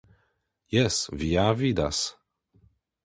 Jes, vi ja vidas .